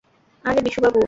আরে বিশু বাবু।